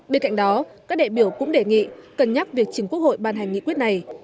bên cạnh đó các đại biểu cũng đề nghị cân nhắc việc chỉnh quốc hội ban hành nghị quyết này